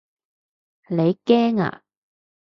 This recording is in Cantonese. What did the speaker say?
你驚啊？